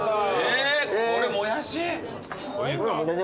これもやし？